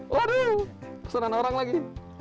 waduh pesanan orang lagi